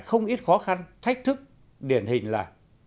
không ít khó khăn thách thức điển hình là